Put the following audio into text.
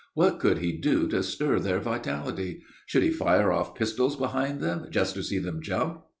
What could he do to stir their vitality? Should he fire off pistols behind them, just to see them jump?